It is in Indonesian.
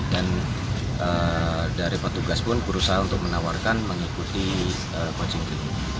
dan dari petugas pun berusaha untuk menawarkan mengikuti coaching training